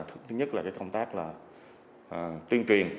thứ nhất là công tác tuyên truyền